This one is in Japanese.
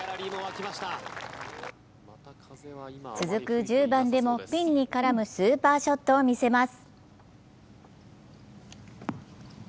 続く１０番でもピンに絡むスーパーショットを見せます。